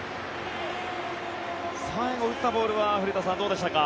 最後、打ったボールは古田さんどうでしたか。